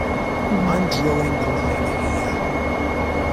I'm drawing the line here.